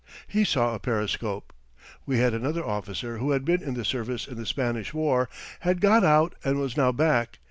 He saw a periscope. We had another officer who had been in the service in the Spanish War, had got out and was now back.